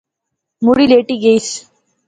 مڑی لیٹی گیس